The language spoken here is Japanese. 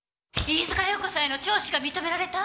飯塚遥子さんへの聴取が認められた！？